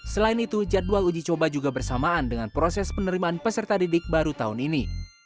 selain itu jadwal uji coba juga bersamaan dengan proses penerimaan peserta didik baru tahun ini